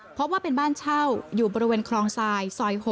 พบว่าเป็นบ้านเช่าอยู่บริเวณคลองทรายซอย๖